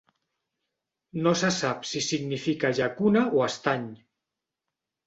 No se sap si significa llacuna o estany.